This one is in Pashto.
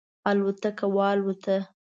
الوتکه والوته.